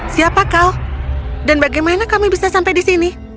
siapa kau dan bagaimana kami bisa sampai di sini